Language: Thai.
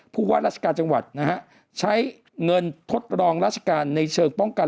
ผู้ว่าราชการจังหวัดนะฮะใช้เงินทดลองราชการในเชิงป้องกัน